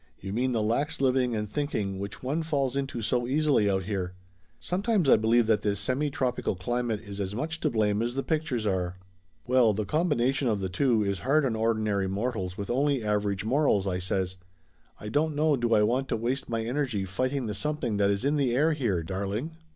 You mean the lax living and thinking which one falls into so easily out Laughter Limited 331 here. Sometimes I believe that this semi tropical cli mate is as much to blame as the pictures are." "Well, the combination of the two is hard on ordin ary mortals with only average morals," I says. "I don't know do I want to waste my energy fighting the something that is in the air here, darling.